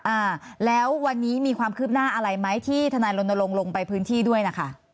อ่าแล้ววันนี้มีความคืบหน้าอะไรไหมที่ทนายรณรงค์ลงไปพื้นที่ด้วยนะคะ